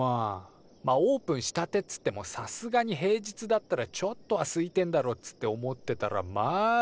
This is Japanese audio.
まあオープンしたてっつってもさすがに平日だったらちょっとはすいてんだろっつって思ってたらまあ激こみでさ。